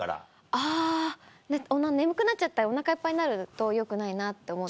あぁ眠くなっちゃったりお腹いっぱいになるとよくないなと思って。